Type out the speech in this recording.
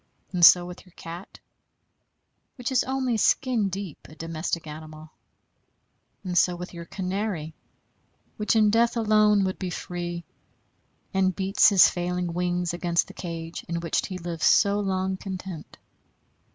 And so with your cat, which is only skin deep a domestic animal; and so with your canary, which in death alone would be free, and beats his failing wings against the cage in which he lived so long content.